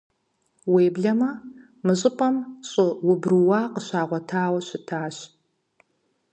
Уеблэмэ, мы щӀыпӀэм щӀы убрууа къыщагъуэтауэ щытащ.